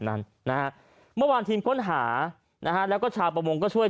นั้นนะฮะเมื่อวานทีมค้นหานะฮะแล้วก็ชาวประมงก็ช่วย